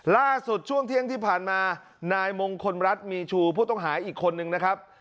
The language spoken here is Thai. ล่าสุดช่วงเที่ยงที่ผ่านมานายมงคลรัฐมีชูผู้ต้องหาอีกคนนึงนะครับ